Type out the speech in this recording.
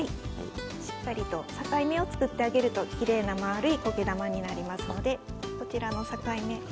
しっかりと境目を作っていただくときれいな丸い苔玉になりますのでこちらの境目を。